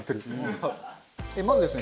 まずですね